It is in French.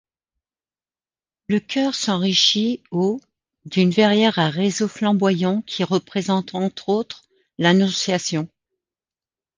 Le chœur s'enrichit au d'une verrière à réseau flamboyant qui représente entre autres l'Annonciation.